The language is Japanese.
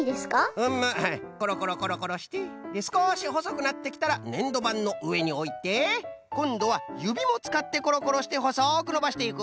うむコロコロコロコロしてすこしほそくなってきたらねんどばんのうえにおいてこんどはゆびもつかってコロコロしてほそくのばしてゆく！